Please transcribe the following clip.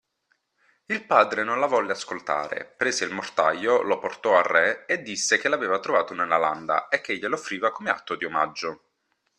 Il padre non la volle ascoltare, prese il mortaio, lo portò al re e disse che l'aveva trovato nella landa, e che glielo offriva come atto di omaggio.